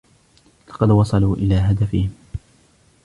لَقَد وَصَلوا إلى هَدَفَهُم.